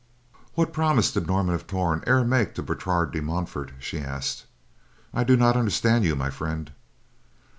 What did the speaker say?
"What promise did Norman of Torn e'er make to Bertrade de Montfort?" she asked. "I do not understand you, my friend."